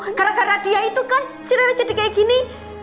gara gara dia itu kan cirinya jadi kayak gini